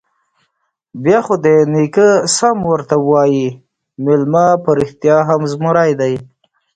_بيا خو دې نيکه سم ورته وايي، مېلمه په رښتيا هم زمری دی.